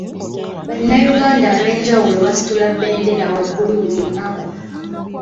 Bannayuganda ab'enjawulo basitula bendera waggulu buli lunaku.